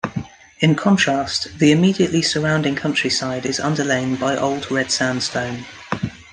In contrast, the immediately surrounding countryside is underlain by Old Red Sandstone.